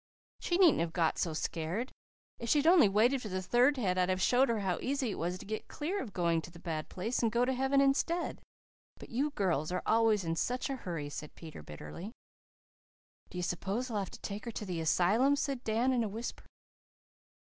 "She needn't have got so scared. If she'd only waited for the third head I'd have showed her how easy it was to get clear of going to the bad place and go to heaven instead. But you girls are always in such a hurry," said Peter bitterly. "Do you s'pose they'll have to take her to the asylum?" said Dan in a whisper.